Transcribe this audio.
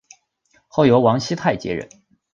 后由王熙泰接任。